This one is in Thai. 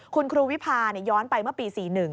คุณครูวิพาย้อนไปเมื่อปี๔๑